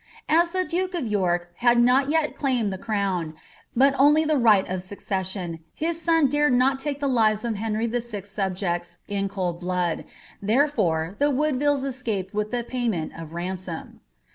As the duke of York had not yet claimed the crown, but only the right of succession, his son dared not take the lives of Henry Vl.'s subjects in cold blood ; therefore the Woodvillea escaped with the payment of ransom.